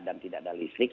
dan tidak ada listrik